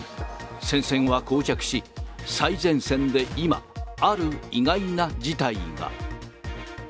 戦線はこう着し、最前線で今、ある意外な事態が。